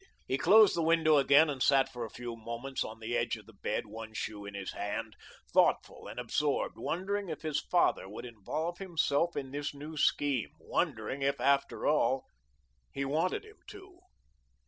He closed the window again and sat for a few moments on the edge of the bed, one shoe in his hand, thoughtful and absorbed, wondering if his father would involve himself in this new scheme, wondering if, after all, he wanted him to.